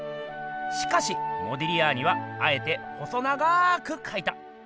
しかしモディリアーニはあえて細長くかいた。